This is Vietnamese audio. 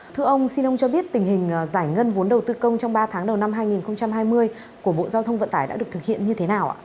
thưa ông xin ông cho biết tình hình giải ngân vốn đầu tư công trong ba tháng đầu năm hai nghìn hai mươi của bộ giao thông vận tải đã được thực hiện như thế nào ạ